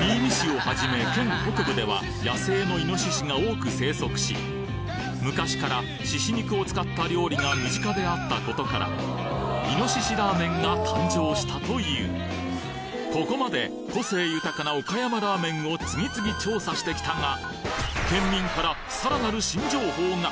新見市をはじめ県北部では野生のイノシシが多く生息し昔からシシ肉を使った料理が身近であったことから猪ラーメンが誕生したというここまで個性豊かな岡山ラーメンを次々調査してきたが県民から更なる新情報が！